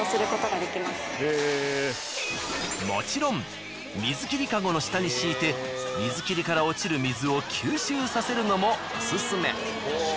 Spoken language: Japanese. もちろん水切りカゴの下に敷いて水切りから落ちる水を吸収させるのもオススメ。